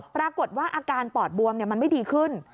ปรากฏว่าอาการปอดบวมมันไม่ดีขึ้น